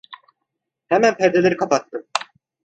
Hemen perdeleri kapattım.